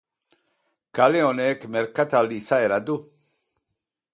Kale honek merkatal izaera du.